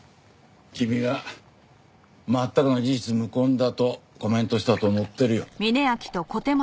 君が「全くの事実無根だ」とコメントしたと載ってるよ。